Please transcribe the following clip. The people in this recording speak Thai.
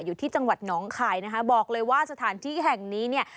อยู่ที่จังหวัดหนองคายนะคะบอกเลยว่าสถานที่แห่งนี้เนี่ย